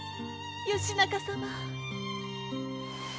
義仲様！